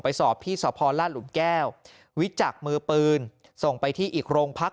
สอบที่สพลาดหลุมแก้ววิจักรมือปืนส่งไปที่อีกโรงพัก